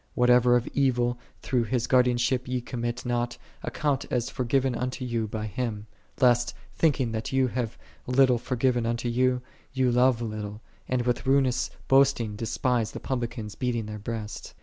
"1 Whatever of evil through His guardianship ye commit not, iit as forgiven unto yon by Him: lest, thinking that you have little forgiven unto you, ye love little, and with ruinous hoisting despise the publicans beating their breasts.